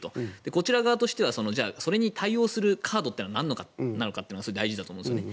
こちら側としてはそれに対応するカードは何なのかということが大事だと思うんですね。